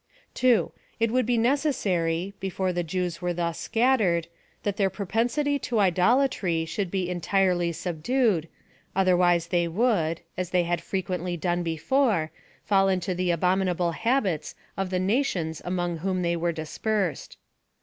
2. It would be necessary, before the Jews were thus scattered, that their propensity to idolatry should be entirely subdued, otherwise they would, as they had frequently done before, fall into the abominable habits of the nations among whom they were dispersed.